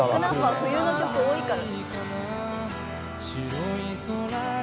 冬の曲多いから。